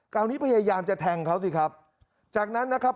คราวนี้พยายามจะแทงเขาสิครับจากนั้นนะครับ